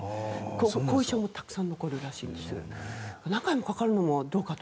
後遺症もたくさん残るらしいです。